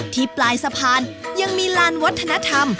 ปลายสะพานยังมีลานวัฒนธรรม